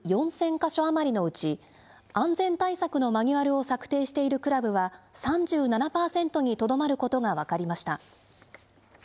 か所余りのうち、安全対策のマニュアルを策定しているクラブは、３７％にとどまることが分かりました。